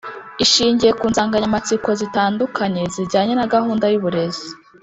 ishingiye ku nsanganyamatsiko zitandukanye, zijyanye na gahunda y’uburezi